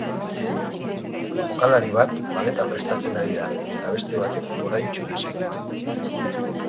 Jokalari bat maleta prestatzen ari da eta beste batek oraintsu desegin du.